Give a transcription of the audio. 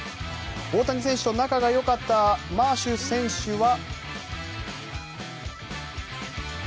大谷選手と仲が良かったマーシュ選手は。